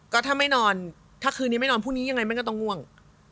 ก็ถ้าไม่นอนถ้าคืนนี้ไม่นอนพรุ่งนี้ยังไงมันก็ต้องง่วง